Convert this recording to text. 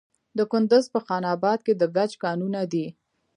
د کندز په خان اباد کې د ګچ کانونه دي.